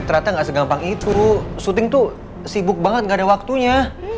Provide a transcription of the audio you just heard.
ternyata nggak segampang itu syuting tuh sibuk banget gak ada waktunya